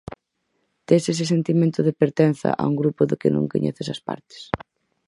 Tes ese sentimento de pertenza a un grupo do que non coñeces as partes.